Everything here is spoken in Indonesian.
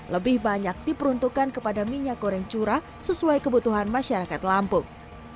lebih banyak diperuntukkan kepada minyak goreng curah sesuai kebutuhan masyarakat lampung